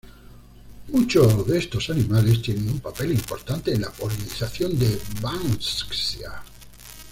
Muchos de estos animales tienen un papel importante en la polinización de "Banksia".